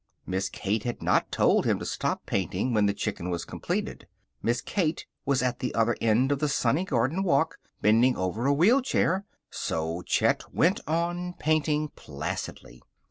Miss Kate had not told him to stop painting when the chicken was completed. Miss Kate was at the other end of the sunny garden walk, bending over a wheel chair. So Chet went on painting, placidly.